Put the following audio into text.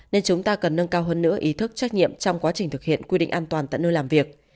nên chúng ta cần nâng cao hơn nữa ý thức trách nhiệm trong quá trình thực hiện quy định an toàn tại nơi làm việc